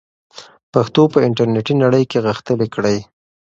پښتو په انټرنیټي نړۍ کې غښتلې کړئ.